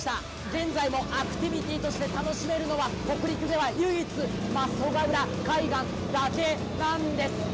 現在もアクティビティーとして楽しめるのは北陸では唯一、増穂浦海岸だけなんです。